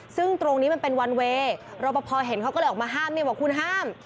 ซึ่งตรงนี้มันเป็นวันเวย์รอปภเห็นเขาก็เลยออกมาห้ามเนี่ยบอกคุณห้าม